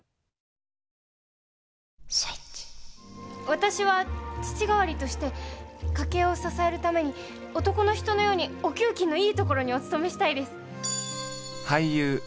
私は父代わりとして家計を支えるために男の人のようにお給金のいい所にお勤めしたいです。